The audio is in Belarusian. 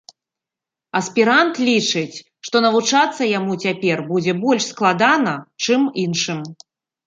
Аспірант лічыць, што навучацца яму цяпер будзе больш складана, чым іншым.